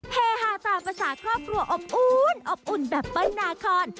เฮฮาตามภาษาครอบครัวอบอุ่นอบอุ่นแบบเปิ้ลนาคอน